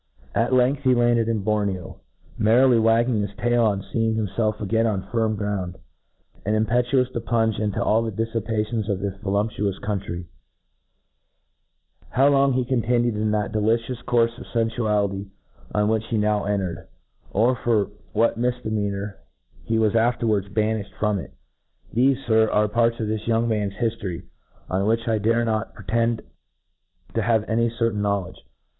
At length he landed in Borneo, merrily wagging his tail on feeing himfelf again on firm ground, and impetuous to plunge into all the diffipatioijs of this voluptuous country^ How long he continued in that delicious courfe of fenfuality on which he now entered, or for what raifdemeanour he was afterwj^fds baniftied from it ;.; T hefe, Sir, are parts of this young man's hiftory, of which I dare not pretend to have any certain knowledge.